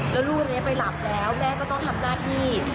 แล้วลูกอันนี้ไปหลับแล้วแม่ก็ต้องทำหน้าที่